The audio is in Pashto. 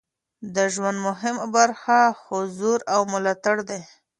د ژوند مهمه برخه حضور او ملاتړ دی.